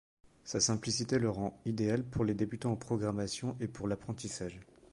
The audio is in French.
Sa simplicité le rend idéal pour les débutants en programmation et pour l'apprentissage.